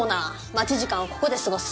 待ち時間をここで過ごす。